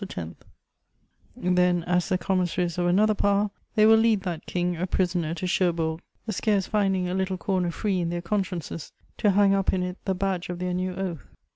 ; then, as the commissaries of another power, they will lead that King a prisoner to Cherbourg, scarce finding a little corner free in their consciences to hang up in it the badge of their new oath.